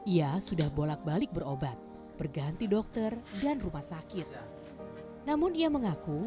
ia sudah bolak balik berobat berganti dokter dan rumah sakit namun ia mengaku